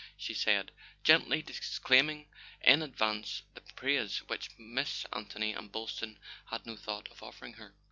" she said, gently disclaiming in advance the praise which Miss Anthony and Boyl ston had no thought of offering her.